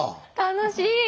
楽しい！